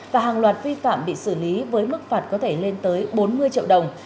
và hàng loạt vi phạm bị xử lý với mức phạt có thể lên tới bốn mươi triệu đồng